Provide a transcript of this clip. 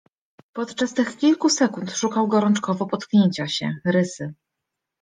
Podczas tych kilku sekund szukał gorączkowo potknięcia się, rysy.